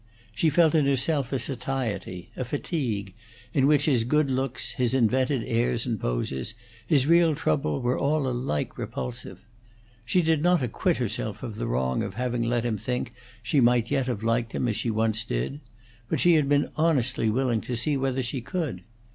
She felt in herself a satiety, a fatigue, in which his good looks, his invented airs and poses, his real trouble, were all alike repulsive. She did not acquit herself of the wrong of having let him think she might yet have liked him as she once did; but she had been honestly willing to see whether she could.